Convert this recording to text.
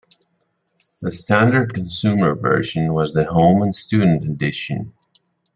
The standard consumer version was the Home and Student Edition.